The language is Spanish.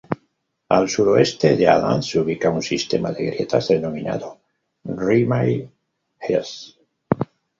Al suroeste de Adams se ubica un sistema de grietas denominado Rimae Hase.